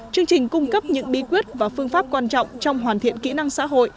chương trình cung cấp những bí quyết và phương pháp quan trọng trong hoàn thiện kỹ năng xã hội